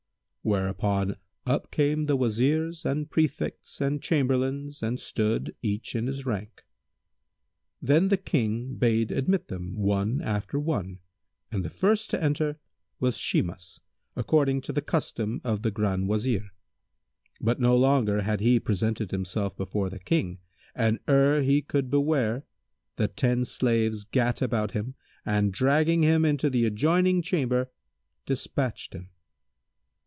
Whereupon up came the Wazirs and Prefects and Chamberlains and stood, each in his rank. Then the King bade admit them, one after one, and the first to enter was Shimas, according to the custom of the Grand Wazir; but no sooner had he presented himself before the King, and ere he could beware, the ten slaves gat about him, and dragging him into the adjoining chamber, despatched him.